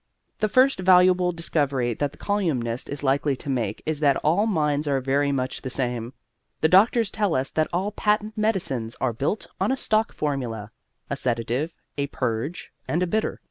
The first valuable discovery that the colyumist is likely to make is that all minds are very much the same. The doctors tell us that all patent medicines are built on a stock formula a sedative, a purge, and a bitter.